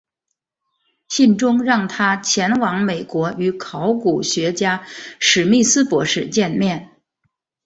信中让他前往美国与考古学家史密斯博士见面。